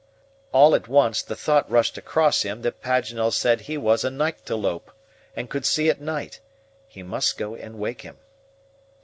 All at once the thought rushed across him that Paganel said he was a nyctalope, and could see at night. He must go and wake him.